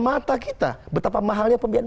mata kita betapa mahalnya pembiayaan